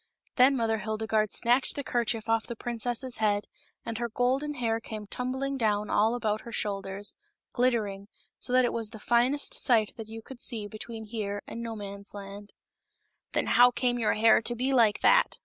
Then Mother Hildegarde snatched the kerchief off of the princess's head, and her golden hair came tumbling down all about her shoulders, glittering, so that it was the finest sight that you could see between here and Nomansland. " Then how came your hair to be like that?"